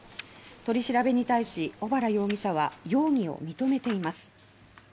取り調べに対し小原容疑者は容疑を認めています